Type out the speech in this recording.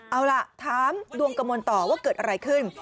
เอาล่ะถามดวงกระมวลต่อว่าเกิดอะไรขึ้น